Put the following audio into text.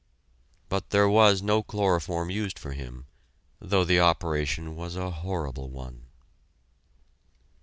But there was no chloroform used for him, though the operation was a horrible one.